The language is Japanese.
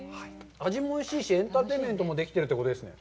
味もおいしいし、エンターテインメントもできているということですね。